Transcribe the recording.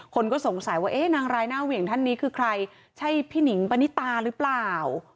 คนก็สงสัยว่าเอ๊ะนางรายหน้าเหวี่ยงท่านนี้คือใครใช่พี่หนิงปณิตาหรือเปล่า